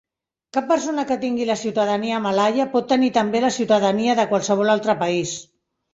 Cap persona que tingui la ciutadania malaia pot tenir també la ciutadania de qualsevol altre país.